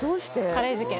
カレー事件？